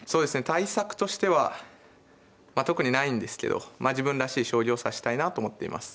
対策としては特にないんですけど自分らしい将棋を指したいなと思っています。